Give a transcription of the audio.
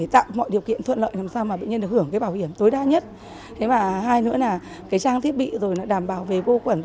trang thiết bị đảm bảo về vô quản